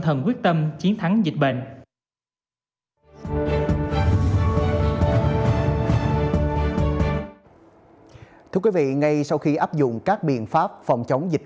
thân quyết tâm chiến thắng dịch bệnh thưa quý vị ngay sau khi áp dụng các biện pháp phòng chống dịch